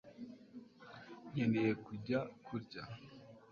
nkeneye gujya kurya